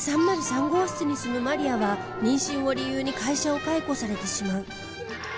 ３０３号室に住むマリアは妊娠を理由に会社を解雇されてしまう。